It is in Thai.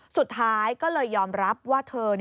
สุดท้ายก็เลยยอมรับว่าเธอ